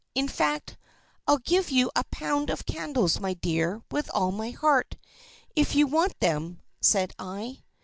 In fact, I'll give you a pound of candles, my dear, with all my heart, if you want them," said I.